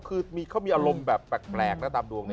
แก้งเค้ามีอารมณ์แบบแปลกตามดวงนี้